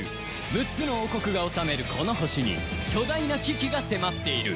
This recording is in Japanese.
６つの王国が治めるこの星に巨大な危機が迫っている